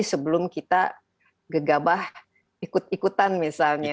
sebelum kita gegabah ikut ikutan misalnya